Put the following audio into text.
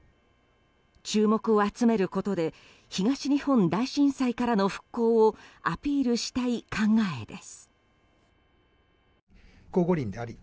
注目を集めることで東日本大震災からの復興をアピールしたい考えです。